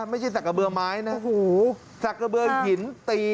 ไม่ใช่ศักดิ์เบลอไม้นะศักดิ์เบลอหินตี